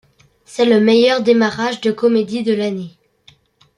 C'est le meilleur démarrage de comédie de l'année.